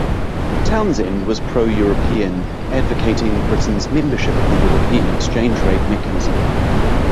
Townsend was pro-European, advocating Britain's membership of the European Exchange Rate Mechanism.